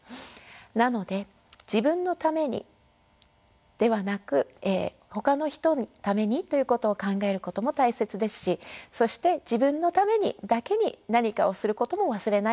なので自分のためにではなくほかの人のためにということを考えることも大切ですしそして自分のためにだけに何かをすることも忘れないでください。